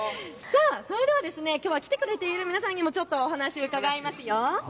それではきょうは来てくれている皆さんにもちょっとお話を伺いますよ。